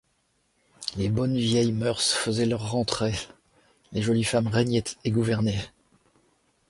Les bonnes vieilles mœurs faisaient leur rentrée, les jolies femmes régnaient et gouvernaient.